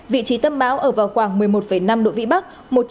vị trí tâm bão ở vào khoảng một mươi một năm độ vĩ bắc